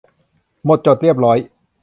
หมดจดเรียบร้อย